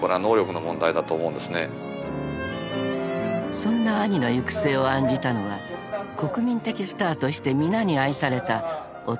［そんな兄の行く末を案じたのは国民的スターとして皆に愛された弟］